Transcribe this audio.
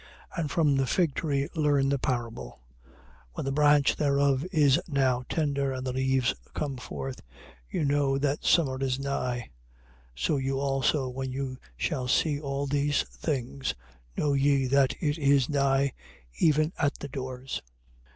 24:32. And from the fig tree learn a parable: When the branch thereof is now tender and the leaves come forth, you know that summer is nigh. 24:33. So you also, when you shall see all these things, know ye that it is nigh, even at the doors.